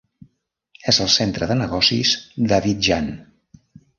És el centre de negocis d'Abidjan.